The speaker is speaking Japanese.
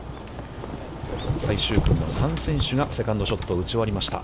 最終組の３選手がセカンドショットを打ち終わりました。